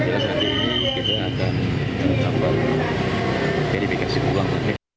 jelas nanti kita akan menambah verifikasi uang